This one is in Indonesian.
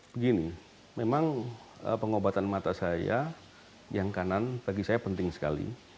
begini memang pengobatan mata saya yang kanan bagi saya penting sekali